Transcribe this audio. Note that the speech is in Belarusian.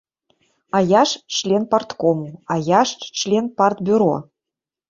А я ж член парткому, а я ж член партбюро.